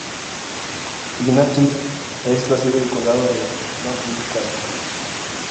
Ignatius es la sede del Condado de Mackinac.